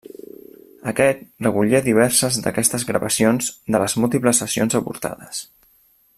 Aquest recollia diverses d'aquestes gravacions de les múltiples sessions avortades.